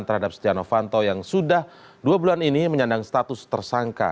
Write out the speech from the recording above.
terhadap setia novanto yang sudah dua bulan ini menyandang status tersangka